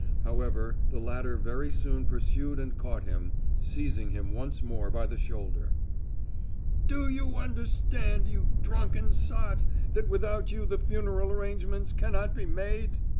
However, the latter very soon pursued and caught him, seizing him once more by the shoulder. "Do you understand, you drunken sot, that without you the funeral arrangements cannot be made?"